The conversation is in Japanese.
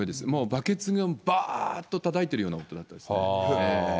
バケツをばーっとたたいてるような音だったですね。